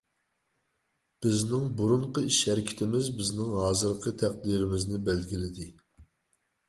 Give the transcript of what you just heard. بىزنىڭ بۇرۇنقى ئىش-ھەرىكىتىمىز بىزنىڭ ھازىرقى تەقدىرىمىزنى بەلگىلىدى.